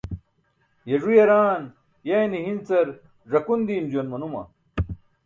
Ye ẓu yaraan yayne hincar ẓakun diim juwan manuma.